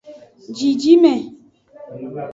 Jijime.